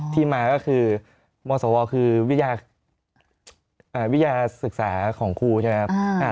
ที่มาก็คือมศวคือวิทยาศึกษาของครูใช่ไหมครับ